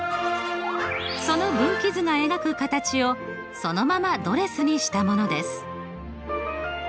その分岐図が描く形をそのままドレスにしたものです。